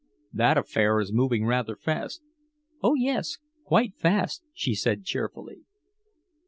"That affair is moving rather fast." "Oh yes, quite fast," she said cheerfully.